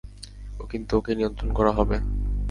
কিন্তু ওকে নিয়ন্ত্রণ করা হবে।